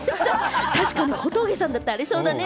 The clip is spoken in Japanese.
確かに小峠さんだったらありそうだよね。